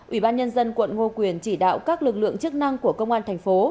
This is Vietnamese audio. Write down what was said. ubnd quận ngo quyền chỉ đạo các lực lượng chức năng của công an thành phố